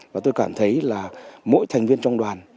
và tôi cảm thấy là mỗi thành viên trong đoàn